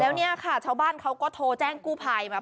แล้วเนี่ยค่ะชาวบ้านเขาก็โทรแจ้งกู้ภัยมา